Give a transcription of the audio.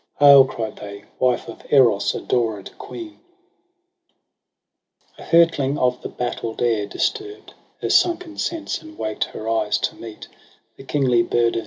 Hail! cried they, wife of Eros , adored queen I DECEMBER 151 24. A hurtling of the battl'd air disturb'd Her sunken sense, and waked her eyes to meet The kingly bird of